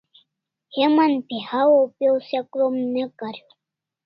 Heman pe hawaw haw se krom ne kariu